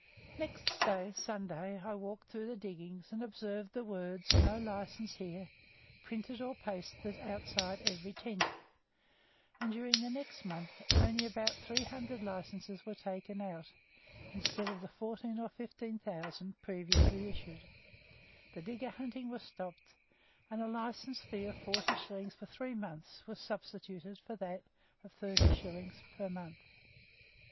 Next day, Sunday, I walked through the diggings, and observed the words "No License Here" pinned or pasted outside every tent, and during the next month only about three hundred licenses were taken out, instead of the fourteen or fifteen thousand previously issued, the digger hunting was stopped, and a license fee of forty shillings for three months was substituted for that of thirty shillings per month.